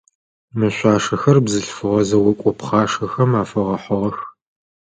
Мы шъуашэхэр бзылъфыгъэ зэокӏо пхъашэхэм афэгъэхьыгъэх.